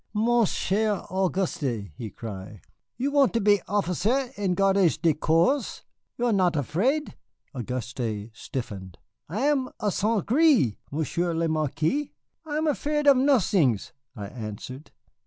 'Mon cher Auguste,' he cry, 'you want to be officier in gardes du corps? You are not afred?'" (Auguste stiffened.) "'I am a St. Gré, Monsieur le Marquis. I am afred of nothings,' I answered.